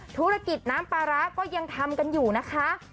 ธุรกิจน้ำปลาร้าก็ยังทำกันอยู่นะคะ